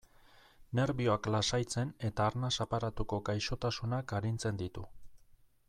Nerbioak lasaitzen eta arnas aparatuko gaixotasunak arintzen ditu.